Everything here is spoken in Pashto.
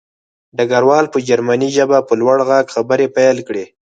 ډګروال په جرمني ژبه په لوړ غږ خبرې پیل کړې